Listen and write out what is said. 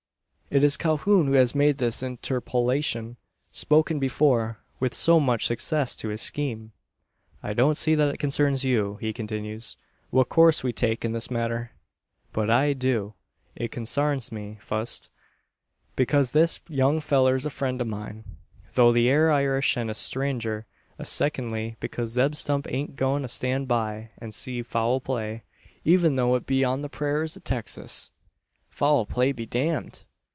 It is Calhoun who has made this interpolation spoken before with so much success to his scheme. "I don't see that it concerns you," he continues, "what course we take in this matter." "But I do. It consarns me fust, because this young fellur's a friend o' mine, though he air Irish, an a strenger; an secondly, because Zeb Stump aint a goin' to stan' by, an see foul play even tho' it be on the purayras o' Texas." "Foul play be damned!